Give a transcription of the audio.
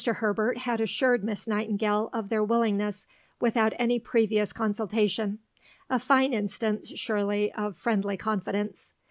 Herbert had assured Miss Nightingale of their willingness, without any previous consultation a fine instance, surely, of friendly confidence.